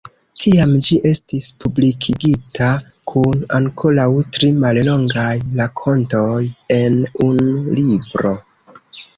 Tiam ĝi estis publikigita kun ankoraŭ tri mallongaj rakontoj en unu libro.